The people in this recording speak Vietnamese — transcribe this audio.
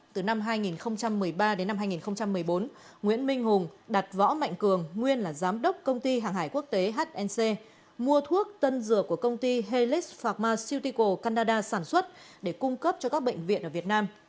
từ năm hai nghìn một mươi ba đến năm hai nghìn một mươi bốn nguyễn minh hùng đặt võ mạnh cường nguyên là giám đốc công ty hàng hải quốc tế hnc mua thuốc tân dược của công ty helis phạm ma cityco canada sản xuất để cung cấp cho các bệnh viện ở việt nam